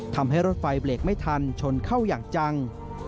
ทำให้รถไฟเบรกไม่ทันชนเข้าอย่างจัง